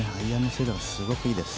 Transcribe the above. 精度がすごくいいです。